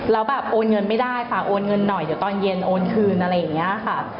แล้วแบบโอนเงินไม่ได้ค่ะโอนเงินหน่อยเดี๋ยวตอนเย็นโอนคืนอะไรอย่างนี้ค่ะ